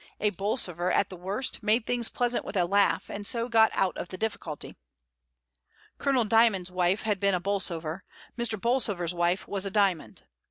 A Bolsover, at the worst, made things pleasant with a laugh, and so got out of the difficuhy. Colonel Dymond's wife had been a Bolsover, Mr. Bolsover's wife was a Dymond.